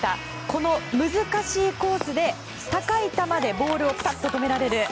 この難しいコースで高い球でボールをピタッと止められる。